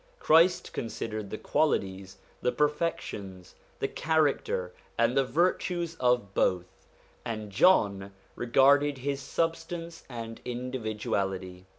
Christ considered the qualities, the perfections, the character, and the virtues of both, and John regarded his substance and individuality.